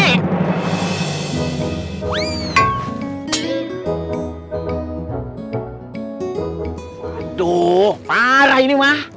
aduh parah ini mah